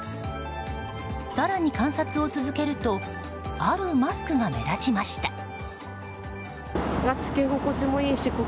更に観察を続けるとあるマスクが目立ちました。